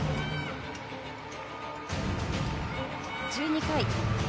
１２回。